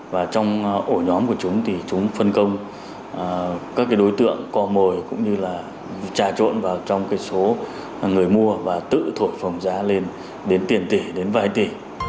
và trong ổ nhóm của chúng thì chúng phân công các đối tượng cò mồi cũng như là trà trộn vào trong số người mua và tự thuộc phòng giá lên đến tiền tỷ đến vài tỷ